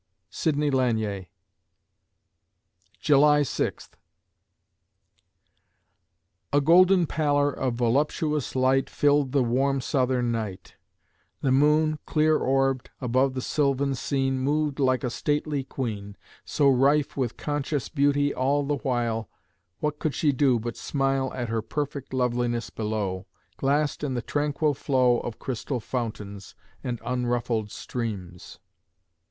SIDNEY LANIER July Sixth A golden pallor of voluptuous light Filled the warm Southern night; The moon, clear orbed, above the sylvan scene Moved like a stately queen, So rife with conscious beauty all the while, What could she do but smile At her perfect loveliness below, Glassed in the tranquil flow Of crystal fountains And unruffled streams?